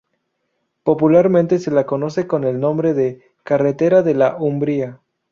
Popularmente se la conoce con el nombre de "Carretera de la Umbría".